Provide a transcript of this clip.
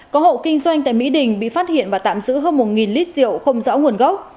có hộ kinh doanh tại mỹ đình bị phát hiện và tạm giữ hơn một lít rượu không rõ nguồn gốc